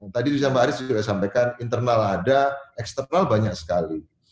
tadi mbak aris sudah sampaikan internal ada eksternal banyak sekali